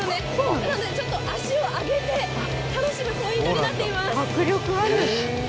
なのでなので足を上げて、楽しむポイントになっています。